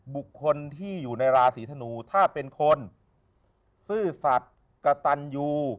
บุคคลที่อยู่ในราศีธนูถ้าเป็นคนซื่อสัตว์กระตันยู